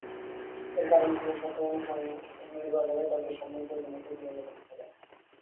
এর কারণ হলো—সত্য অনুসরণের ব্যাপারে তাদের সম্মুখে কোন প্রতিবন্ধকতা থাকে না।